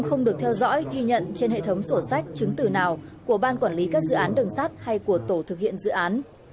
không được theo dõi ghi nhận trên hệ thống sổ sách chứng từ nào của ban quản lý các dự án đường sắt hay của tổ thực hiện dự án